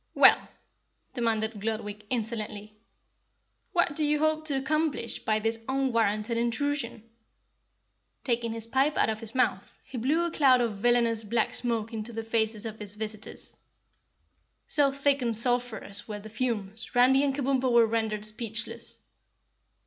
"Well," demanded Gludwig, insolently, "what do you hope to accomplish by this unwarranted intrusion?" Taking his pipe out of his mouth, he blew a cloud of villainous black smoke into the faces of his visitors. So thick and sulphurous were the fumes, Randy and Kabumpo were rendered speechless.